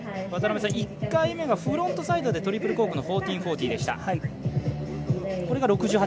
１回目がフロントサイドでトリプルコークの１４４０でした。